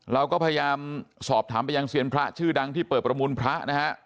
เราก็พยายามสอบถามไปยังเซียนพระชื่อดังที่เปิดประมูลพระนะฮะ